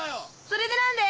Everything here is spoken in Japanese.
それで何て？